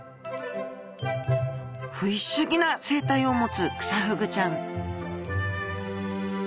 フィッシュギな生態を持つクサフグちゃん